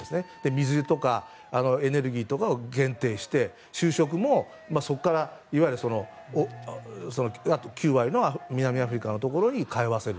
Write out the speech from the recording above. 水とかエネルギーとかを限定して、就職もそこから南アフリカのところに通わせる。